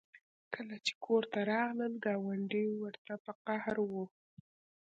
کله چې کور ته راغلل ګاونډۍ ورته په قهر وه